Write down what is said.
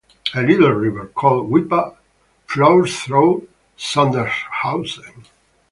A little river called Wipper flows through Sondershausen.